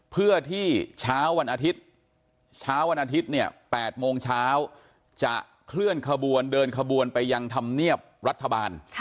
เพื่อที่เช้าวันอาทิตย์เช้าวันอาทิตย์เนี่ย๘โมงเช้าจะเคลื่อนขบวนเดินขบวนไปยังธรรมเนียบรัฐบาล